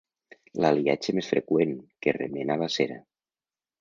L'aliatge més freqüent, que remena la cera.